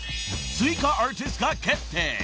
［追加アーティストが決定］